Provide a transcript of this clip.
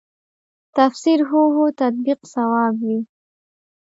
تفسیر هو هو تطبیق صواب وي.